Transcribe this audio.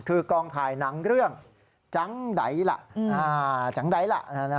คือกลองถ่ายนังเรื่องจั๊งไดล่ะ